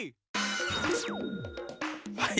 はい。